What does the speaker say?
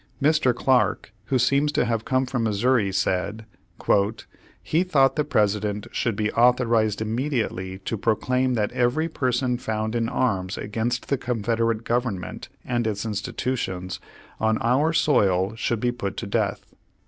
Mr. Clark, who seems to have come from Missouri, said "He thought the President should be author ized immediately to proclaim that every person Page One Hundred two found in arms against the Confederate govern ment and its institutions, on our soil should be put to death."